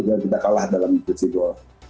jangan kita kalah dalam sisi gol